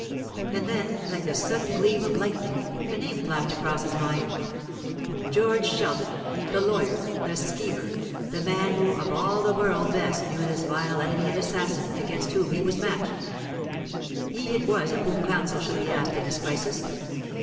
And then, like the sudden gleam of lightning, a name flashed across his mind, George Sheldon, the lawyer, the schemer, the man who of all the world best knew this vile enemy and assassin against whom he was matched; he it was of whom counsel should be asked in this crisis.